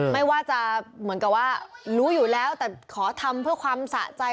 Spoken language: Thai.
ไม่ว่าจะเหมือนกับว่ารู้อยู่แล้วแต่ขอทำเพื่อความสะใจ